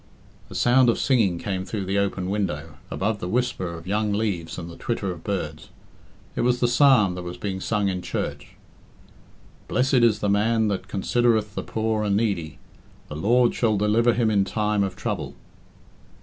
A sound of singing came through the open window, above the whisper of young leaves and the twitter of birds. It was the psalm that was being sung in church "Blessed is the man that considereth the poor and needy; The Lord shall deliver him in time of trouble."